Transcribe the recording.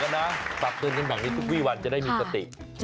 เบื่อกันนะปรับเตือนกันบางทีทุกวี่วันจะได้มีสติ